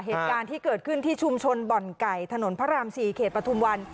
เหตุการณ์ที่เกิดขึ้นที่ชุมชนบ่อนไก่ถนนพระราม๔เขตปฐุมวัน